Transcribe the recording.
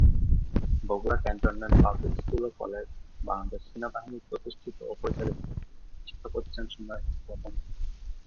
Bogura cantonment public school ও college Bangladesh সেনাবাহিনী প্রতিষ্ঠিত ও পরিচালিত শিক্ষা প্রতিষ্ঠানসমূহের মধ্যে অন্যতম।